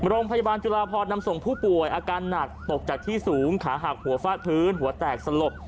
โรงพยาบาลจุฬาพรนำส่งผู้ป่วยอาการหนักตกจากที่สูงขาหักหัวฟาดพื้นหัวแตกสลบ